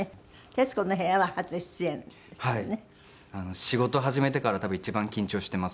仕事始めてから多分一番緊張しています。